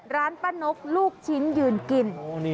ร้านป้านกลูกชิ้นยืนกิน